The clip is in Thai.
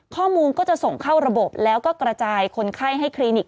ข้อมูลก็จะส่งเข้าระบบแล้วก็กระจายคนไข้ให้คลินิก